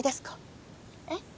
えっ？